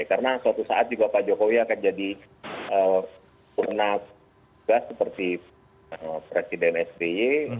karena suatu saat juga pak jokowi akan jadi purna tugas seperti presiden sby